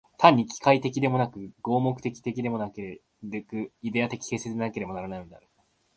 単に機械的でもなく、合目的的でもなく、イデヤ的形成でなければならないのである。